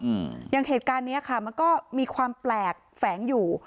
อืมอย่างเหตุการณ์เนี้ยค่ะมันก็มีความแปลกแฝงอยู่